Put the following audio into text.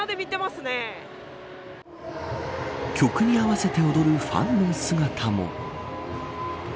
曲に合わせて踊るファンの姿も。